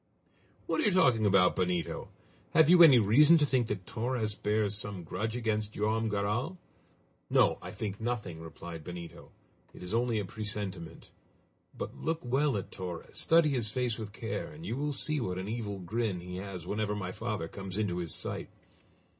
"What are you talking about, Benito? Have you any reason to think that Torres bears some grudge against Joam Garral?" "No! I think nothing!" replied Benito; "it is only a presentiment! But look well at Torres, study his face with care, and you will see what an evil grin he has whenever my father comes into his sight."